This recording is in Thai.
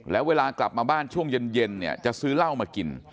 แล้วเวลากลับมาบ้านช่วงเย็นเนี่ยจะซื้อเหล้ามากิน